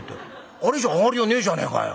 あれじゃ上がりようねえじゃねえかよ。